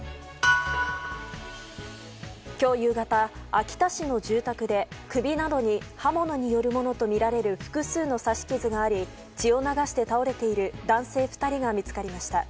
今日夕方、秋田市の住宅で首などに刃物によるものとみられる複数の刺し傷があり血を流して倒れている男性２人が見つかりました。